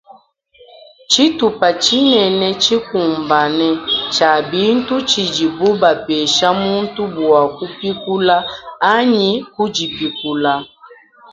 Tsitupa tshinene tshikumbane tshia bintu tshidibu bapesha muntu bua kupikula anyi kudipikula.